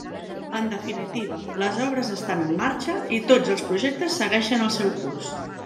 En definitiva, les obres estan en marxa i tots els projectes segueixen el seu curs.